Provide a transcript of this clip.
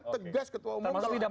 tegas ketua umum